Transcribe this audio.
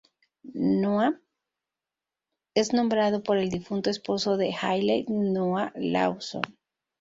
Noah es nombrado por el difunto esposo de Hayley, Noah Lawson.